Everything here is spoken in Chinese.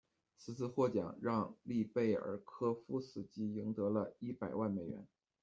此次获奖，让利贝尔科夫斯基赢得了一百万美元。